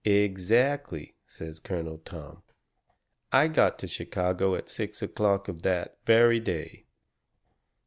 "Exactly," says Colonel Tom. "I got to Chicago at six o'clock of that very day.